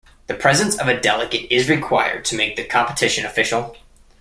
The presence of a delegate is required in order to make the competition official.